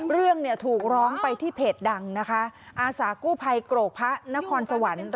เรื่องเนี่ยถูกร้องไปที่เพจดังนะคะอาสากู้ภัยโกรกพระนครสวรรค์